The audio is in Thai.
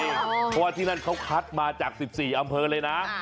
เพราะว่าที่นั่นเขาคัดมาจาก๑๔อำเภอเลยนะ